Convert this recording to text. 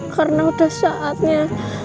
karena udah saatnya